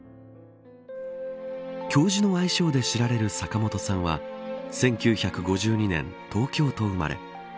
教授の愛称で知られる坂本さんは１９５２年、東京都生まれ。